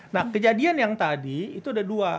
nah kejadian yang tadi itu ada dua